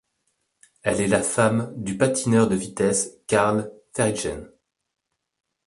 Elle est la femme du patineur de vitesse Carl Verheijen.